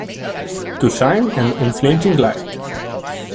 To shine an unflinching light.